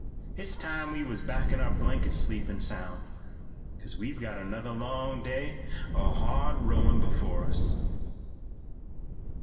It's time we was back in our blankets sleepin' sound, 'cause we've got another long day o' hard rowin' before us."